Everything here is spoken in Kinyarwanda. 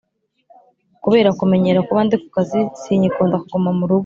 Kubera kumenyera kuba ndi ku kazi sinyikunda kuguma mu rugo